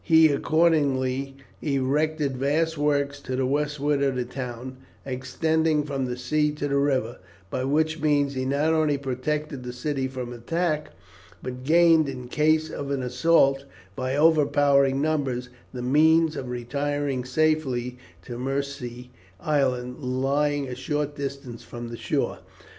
He accordingly erected vast works to the westward of the town, extending from the sea to the river, by which means he not only protected the city from attack, but gained, in case of an assault by overpowering numbers, the means of retiring safely to Mersea Island, lying a short distance from the shore.